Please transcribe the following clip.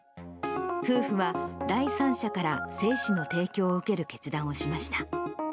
夫婦は第三者から精子の提供を受ける決断をしました。